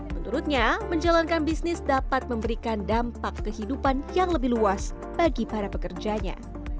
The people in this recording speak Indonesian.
menurutnya menjalankan bisnis dapat memberikan dampak kehidupan yang lebih luas bagi para pekerjanya